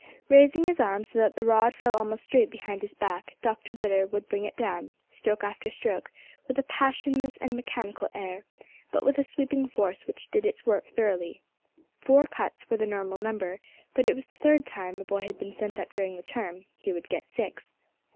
Raising his arm so that the rod fell almost straight behind his back, Dr. Litter would bring it down, stroke after stroke, with a passionless and mechanical air, but with a sweeping force which did its work thoroughly. Four cuts was the normal number, but if it was the third time a boy had been sent up during the term he would get six.